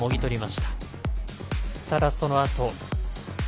ただ、そのあと。